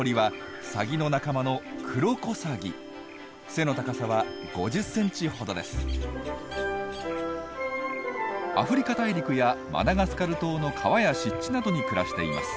アフリカ大陸やマダガスカル島の川や湿地などに暮らしています。